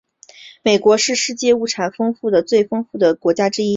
美国是世界矿产资源最丰富的国家之一。